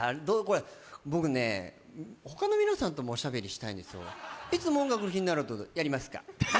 僕ね、ほかの皆さんともおしゃべりしたいんですよ、いつも「音楽の日」になると、やりますか？